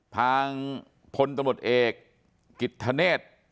ทางพตมเอกกิษฐเนทธนันทวีศิลป์